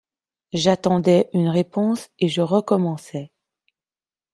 J’attendais une réponse et je recommençais.